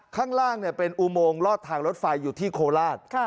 ข้างล่างเป็นอุโมงลอดทางรถไฟอยู่ที่โคราช